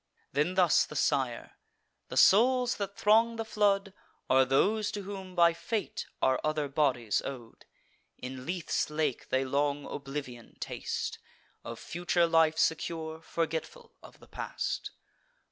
Then thus the sire: "The souls that throng the flood Are those to whom, by fate, are other bodies ow'd: In Lethe's lake they long oblivion taste, Of future life secure, forgetful of the past.